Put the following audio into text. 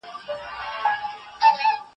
ته ولي پاکوالي ساتې؟